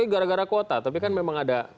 gara gara kota tapi kan memang ada